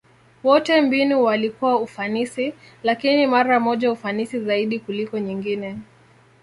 Wote mbinu walikuwa ufanisi, lakini mara moja ufanisi zaidi kuliko nyingine.